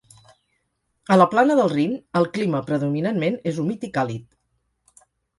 A la plana del Rin el clima predominantment és humit i càlid.